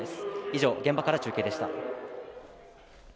以上、現場から中継でした。